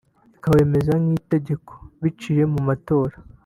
ikawemeza nk’itegeko biciye mu matora